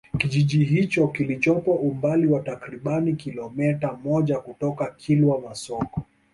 Kijiji hicho kilichopo umbali wa takribani kilometa moja kutoka Kilwa Masoko